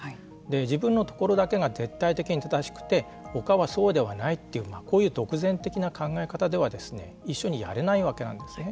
自分のところだけが絶対的に正しくて他はそうではないというこういう独善的な考え方では一緒にやれないわけなんですね。